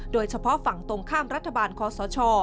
โดยเฉพาะฝั่งตรงข้ามรัฐบาลคอสช